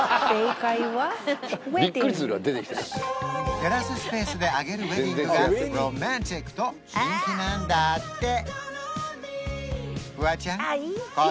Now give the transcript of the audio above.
テラススペースで挙げるウェディングがロマンチックと人気なんだってフワちゃん